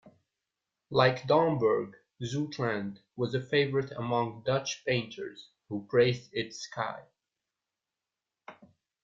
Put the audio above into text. Like Domburg, Zoutelande was a favorite among Dutch painters, who praised its sky.